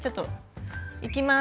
いきます。